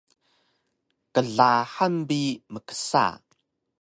qlahang bi mksa